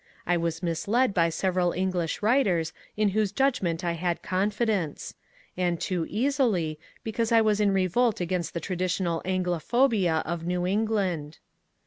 I was misled by several English writers in whose judgment I had confidence ; and too easily, because I was in revolt against the traditional Anglophobia of New England.